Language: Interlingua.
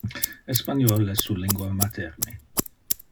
Espaniol es su lingua materne.